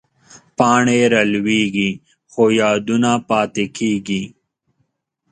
پاڼې رالوېږي، خو یادونه پاتې کېږي